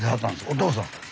お父さん？